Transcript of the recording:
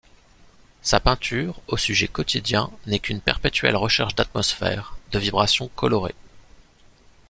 Sa peinture aux sujets quotidiens n'est qu'une perpétuelle recherche d'atmosphère, de vibrations colorées.